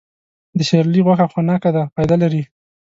د سیرلي غوښه خونکه ده، فایده لري.